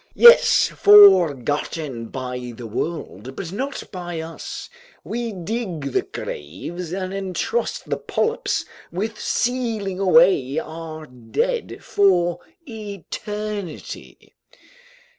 "Yes, forgotten by the world but not by us! We dig the graves, then entrust the polyps with sealing away our dead for eternity!"